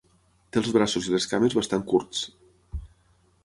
Té els braços i les cames bastant curts.